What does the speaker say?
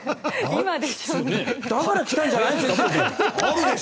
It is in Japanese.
だから、来たんじゃないですか。